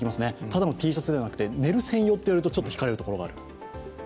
ただのＴシャツではなくて寝る専用と言われるとひかれるところがある。